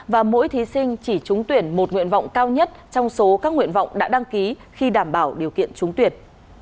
và mỗi thí sinh chỉ trúng tuyển một nguyện vọng cao nhất trong số các nguyện vọng đã đăng ký khi đảm bảo điều kiện trúng tuyển